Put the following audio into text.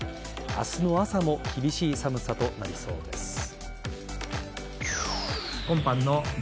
明日の朝も厳しい寒さとなりそうです。